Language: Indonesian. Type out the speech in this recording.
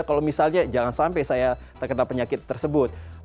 kalau misalnya jangan sampai saya terkena penyakit tersebut